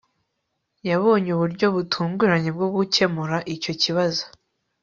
yabonye uburyo butunguranye bwo gukemura icyo kibazo